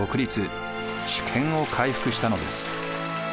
主権を回復したのです。